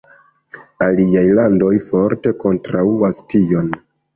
Aliaj landoj forte kontraŭas tion.